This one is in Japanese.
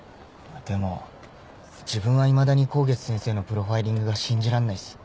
でも自分はいまだに香月先生のプロファイリングが信じらんないっす。